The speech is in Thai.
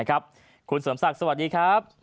คุณเสริมศักดิ์สวัสดีครับ